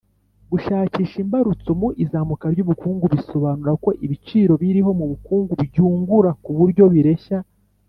gushakisha imbarutso mu izamuka ry'ubukungu bisobanura ko ibiciro biriho mu bukungu byungura ku buryo bireshya